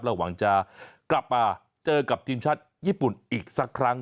หวังจะกลับมาเจอกับทีมชาติญี่ปุ่นอีกสักครั้ง